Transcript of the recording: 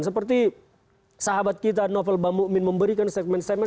seperti sahabat kita novel bambu umin memberikan statement statement